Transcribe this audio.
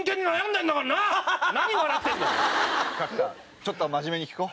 ちょっと真面目に聞こう。